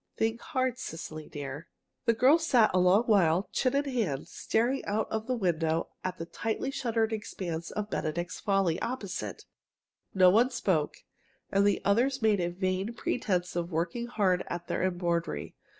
Think hard, Cecily dear." The girl sat a long while, chin in hand, staring out of the window at the tightly shuttered expanse of "Benedict's Folly" opposite. No one spoke, and the others made a vain pretense of working hard at their embroidery.